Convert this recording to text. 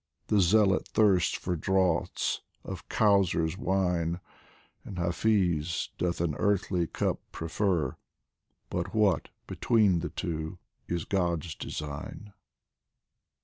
The Zealot thirsts for draughts of Kausar's wine, And Hafiz doth an earthly cup prefer But what, between the two, is God's design